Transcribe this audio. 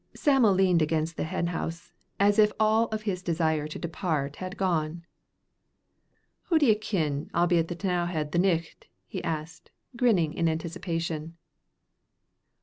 Sam'l leaned against the hen house, as if all his desire to depart had gone. "Hoo d'ye kin I'll be at the T'nowhead the nicht?" he asked, grinning in anticipation.